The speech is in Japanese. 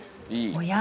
おや？